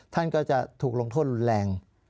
ท่านก็จะถูกลงโทษรุนแรง